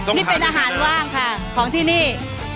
นี่เป็นอาหารว่างค่ะของที่นี่